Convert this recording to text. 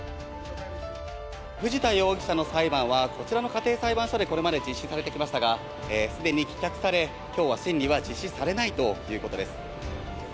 藤田容疑者の裁判は、こちらの家庭裁判所でこれまで実施されてきましたが、すでに棄却され、きょうは審理は実施されないということです。